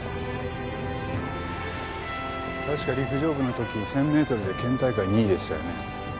確か陸上部の時１０００メートルで県大会２位でしたよね？